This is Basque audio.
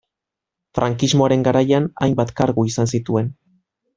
Frankismoaren garaian, hainbat kargu izan zituen.